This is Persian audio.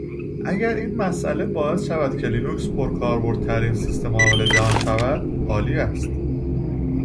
اگر این مساله باعث شود که لینوکس پرکاربردترین سیستم عامل جهان شود، عالی است.